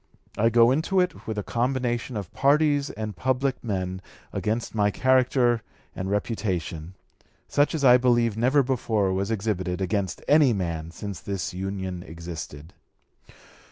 I go into it with a combination of parties and public men against my character and reputation, such as I believe never before was exhibited against any man since this Union existed.